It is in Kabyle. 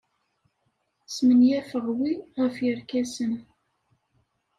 Smenyafeɣ wi ɣef yerkasen.